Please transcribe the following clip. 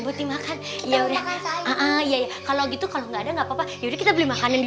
buti makan ya udah kalau gitu kalau nggak ada nggak apa apa yuk kita beli makanan di